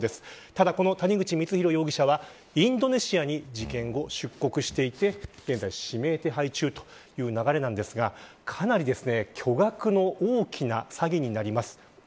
ただこの谷口光弘容疑者はインドネシアに事件後出国していて現在指名手配中という流れですがかなり巨額の大きな詐欺になります。